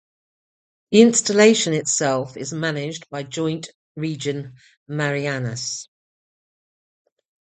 The installation itself is managed by Joint Region Marianas.